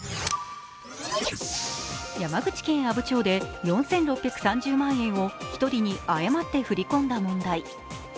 山口県阿武町で４６３０万円を１人に誤って振り込んだ問題。